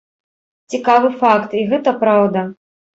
Цікавы факт, і гэта праўда.